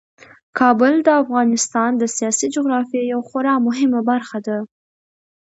کابل د افغانستان د سیاسي جغرافیې یوه خورا مهمه برخه ده.